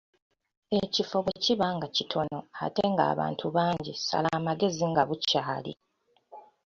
Ekifo bwe kiba nga kitono ate ng’abantu bangi sala amagezi nga bukyali.